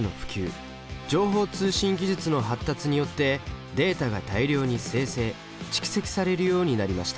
情報通信技術の発達によってデータが大量に生成・蓄積されるようになりました。